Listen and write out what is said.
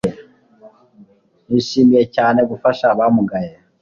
Nishimiye cyane gufasha abamugaye